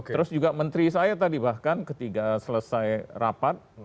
terus juga menteri saya tadi bahkan ketika selesai rapat